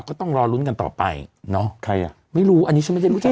ก็ต้องรอลุ้นกันต่อไปเนอะใครอ่ะไม่รู้อันนี้ฉันไม่ได้รู้จัก